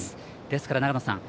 ですから長野さん